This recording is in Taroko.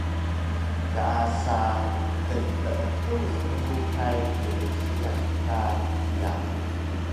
yaasa knteetu smluhay kdjiyax ka hiya